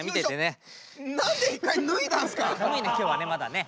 今日はねまだね。